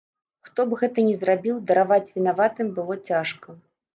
Хто б гэта ні зрабіў, дараваць вінаватым было цяжка.